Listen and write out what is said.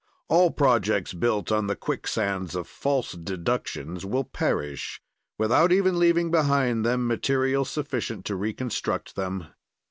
"All projects built on the quicksands of false deductions will perish without even leaving behind them material sufficient to reconstruct them.